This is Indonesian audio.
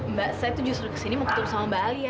mbak saya tuh justru ke sini mau ketemu sama mbak alia